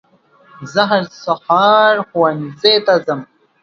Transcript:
زه هر سهار ښوونځي ته ځم